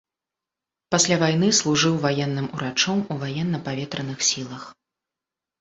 Пасля вайны служыў ваенным урачом у ваенна-паветраных сілах.